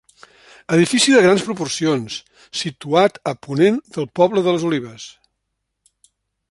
Edifici de grans proporcions, situat a ponent del poble de les Olives.